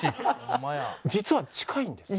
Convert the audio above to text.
実は近いんですね。